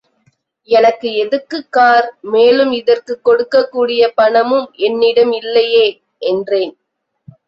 எனக்கு எதுக்குக் கார், மேலும் இதற்குக் கொடுக்கக்கூடிய பணமும் என்னிடம் இல்லையே, என்றேன்.